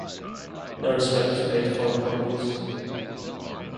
No respect is paid to foreign properties.